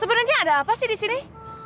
sebenarnya ada apa sih di sini